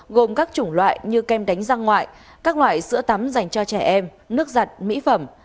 gồm các chủng loại như kem đánh răng ngoại các loại sữa tắm dành cho trẻ em nước giặt mỹ phẩm